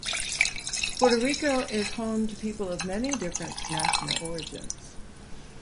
Puerto Rico is home to people of many different national origins.